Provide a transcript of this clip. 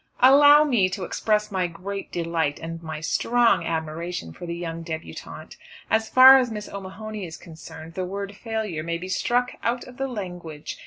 "Allow me to express my great delight and my strong admiration for the young débutante. As far as Miss O'Mahony is concerned the word failure may be struck out of the language.